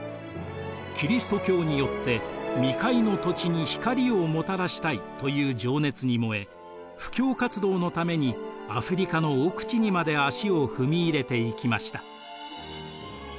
キリスト教によって未開の土地に光をもたらしたいという情熱に燃え布教活動のためにアフリカの奥地にまで足を踏み入れていきました。